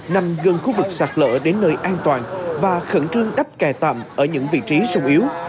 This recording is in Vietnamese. nằm gần khu vực sạt lỡ đến nơi an toàn và khẩn trương đắp kè tạm ở những vị trí sung yếu